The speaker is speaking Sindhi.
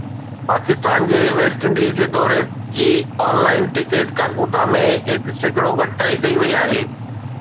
پاڪستان جي ويسٽ انڊيز جي دوري جي آن لائن ٽڪيٽ ڪاڪوتا ۾ هڪ سيڪڙو گهٽتائي ڪئي وئي آهي